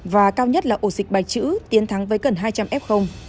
và cao nhất là ổ dịch bạch chữ tiến thắng với gần hai trăm linh f